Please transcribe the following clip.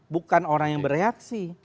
bukan orang yang bereaksi